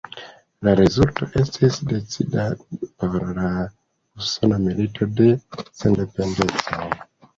La rezulto estis decida por la Usona Milito de Sendependeco.